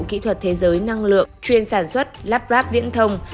kỹ thuật thế giới năng lượng chuyên sản xuất labrap viễn thông